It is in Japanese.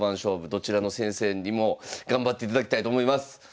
どちらの先生にも頑張っていただきたいと思います。